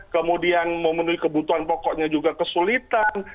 kemudian memenuhi kebutuhan pokoknya juga kesulitan